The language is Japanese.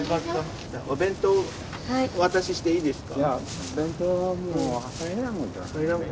お弁当お渡ししていいですか？